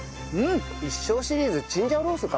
一生シリーズチンジャオロースかも。